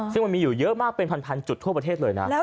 ซึ่งมันมีอยู่เยอะมากเป็นพันจุดทั่วประเทศเลยนะ